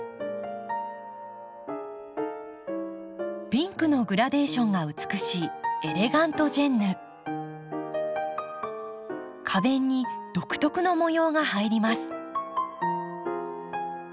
ピンクのグラデーションが美しい花弁に独特の模様が入ります。